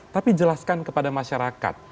tapi jelaskan kepada masyarakat